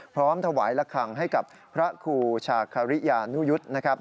พร้อมถวายละครั้งให้กับพระครูชาคาริยานุยุทธ์นะครับ